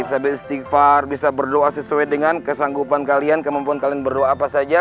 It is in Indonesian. sambil istighfar bisa berdoa sesuai dengan kesanggupan kalian kemampuan kalian berdoa apa saja